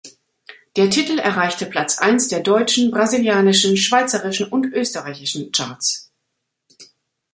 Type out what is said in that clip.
Der Titel erreichte Platz eins der deutschen, brasilianischen, schweizerischen und österreichischen Charts.